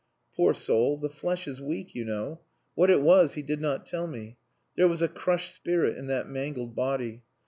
Poor soul, the flesh is weak, you know. What it was he did not tell me. There was a crushed spirit in that mangled body.